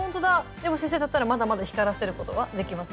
でも先生だったらまだまだ光らせることはできます？